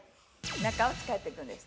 中を使っていくんです。